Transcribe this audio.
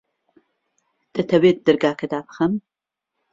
دەتەوێت دەرگاکە دابخەم؟